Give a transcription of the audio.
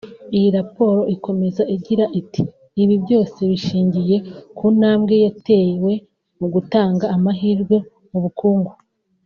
Iyi raporo ikomeza igira iti ‘‘Ibi byose bishingiye ku ntambwe yatewe mu gutanga amahirwe mu bukungu